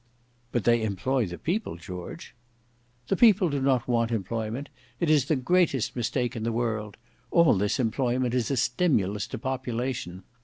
"But they employ the people, George." "The people do not want employment; it is the greatest mistake in the world; all this employment is a stimulus to population.